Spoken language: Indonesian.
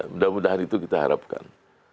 mudah mudahan itu kita harapkan